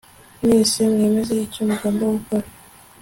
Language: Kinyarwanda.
mwese mwemeze icyo mugomba gukora